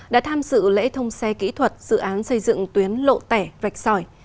đã tham dự lễ thông xe kỹ thuật dự án xây dựng tuyến lộ tẻ rạch sỏi